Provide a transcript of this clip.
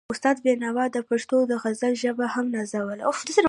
استاد بينوا د پښتو د غزل ژبه هم نازوله.